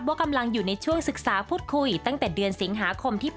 ว่ากำลังอยู่ในช่วงศึกษาพูดคุยตั้งแต่เดือนสิงหาคมที่ผ่านมา